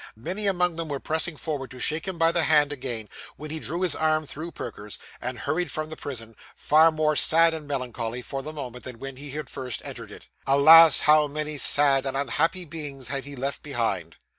Many among them were pressing forward to shake him by the hand again, when he drew his arm through Perker's, and hurried from the prison, far more sad and melancholy, for the moment, than when he had first entered it. Alas! how many sad and unhappy beings had he left behind!